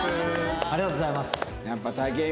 ありがとうございます。